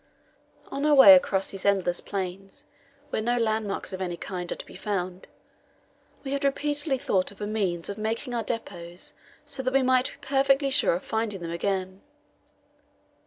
On our way across these endless plains, where no landmarks of any kind are to be found, we had repeatedly thought of a means of marking our depots so that we might be perfectly sure of finding them again.